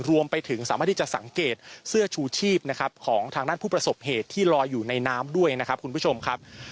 รวมไปถึงสามารถที่จะสังเกตเสื้อชูชีพนะครับของทางด้านผู้ประสบเหตุที่ลอยอยู่ในน้ำด้วยนะครับคุณผู้ชมครับ